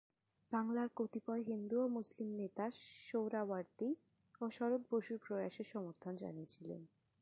বাংলার কতিপয় হিন্দু ও মুসলিম নেতা সোহরাওয়ার্দী ও শরৎ বসুর প্রয়াসের সমর্থন জানিয়েছিলেন।